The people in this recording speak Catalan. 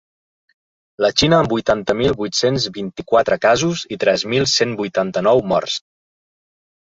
La Xina, amb vuitanta mil vuit-cents vint-i-quatre casos i tres mil cent vuitanta-nou morts.